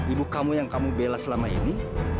ibu kamu yang kamu bela selama ini